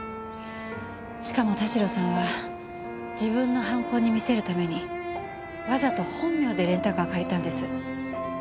しかも田代さんは自分の犯行に見せるためにわざと本名でレンタカーを借りたんです。